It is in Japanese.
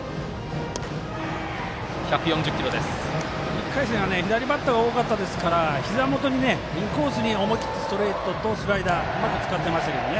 １回戦は左バッターが多かったですからひざ元にインコースに思いきってストレートとスライダーうまく使ってましたね。